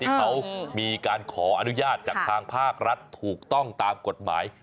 เขามีการขออนุญาตจากทางภาครัฐถูกต้องตามกฎหมาย